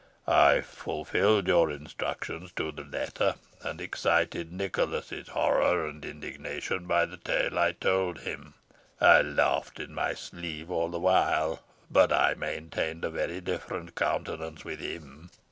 I fulfilled your instructions to the letter, and excited Nicholas's horror and indignation by the tale I told him. I laughed in my sleeve all the while, but I maintained a very different countenance with him.